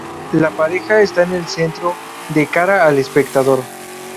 La pareja está en el centro, de cara al espectador.